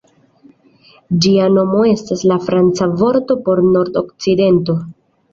Ĝia nomo estas la franca vorto por "nord-okcidento".